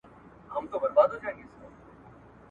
جګړه په میوند کي پیل سوه.